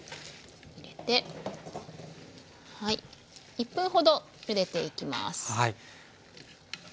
１分ほどゆでていきます。